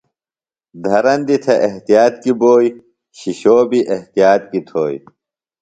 دھرندیۡ تھے احتیاط کیۡ بوئیۡ، شِشوۡ بیۡ احتیاط کیۡ تھوئیۡ